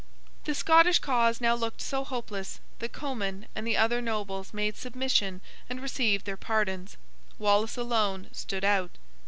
The Scottish cause now looked so hopeless, that Comyn and the other nobles made submission and received their pardons. Wallace alone stood out.